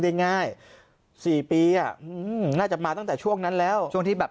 ได้ง่าย๔ปีน่าจะมาตั้งแต่ช่วงนั้นแล้วช่วงที่แบบ